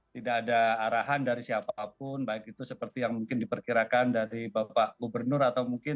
tidak ada arahan dari siapapun baik itu seperti yang mungkin diperkirakan dari bapak gubernur atau mungkin